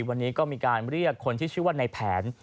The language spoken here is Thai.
วันนี้ก็มีการเรียกคนที่ชื่อว่าในแผน